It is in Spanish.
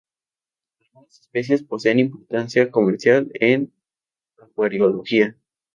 Algunas especies poseen importancia comercial en acuariología.